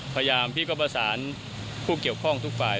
พยายามที่ก็ประสานผู้เกี่ยวข้องทุกฝ่าย